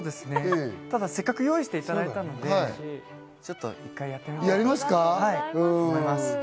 ただ、せっかく用意していただいたので、ちょっと１回やってみます。